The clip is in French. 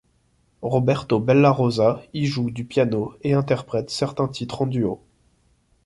Roberto Bellarosa y joue du piano et interprète certains titres en duo.